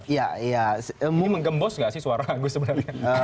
ya ini menggembos gak sih suara agus sebenarnya